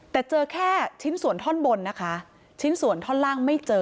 แต่เจอแค่ชิ้นส่วนท่อนบนนะคะชิ้นส่วนท่อนล่างไม่เจอ